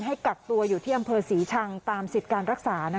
ให้กัดตัวอยู่ที่อศรีชังตามสิทธิ์การรักษานะคะ